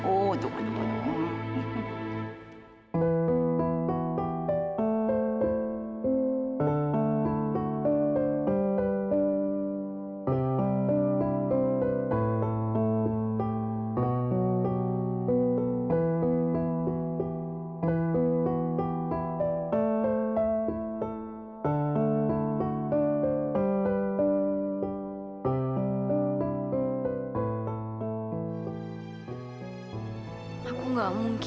oh tunggu tunggu tunggu